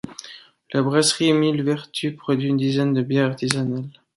La brasserie Millevertus produit une dizaine de bières artisanales.